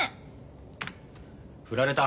振られた。